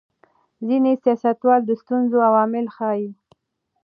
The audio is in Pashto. ځینې سیاستوال د ستونزو عامل ښيي.